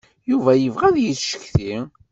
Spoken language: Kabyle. Yuba yebɣa ad yeccetki.